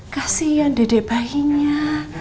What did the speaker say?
kasian dedek bayinya